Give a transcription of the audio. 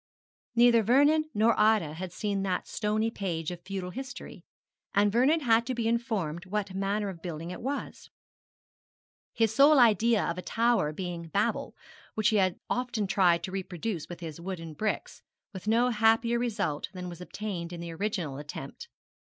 Neither Vernon nor Ida had seen that stony page of feudal history, and Vernon had to be informed what manner of building it was, his sole idea of a tower being Babel, which he had often tried to reproduce with his wooden bricks, with no happier result than was obtained in the original attempt.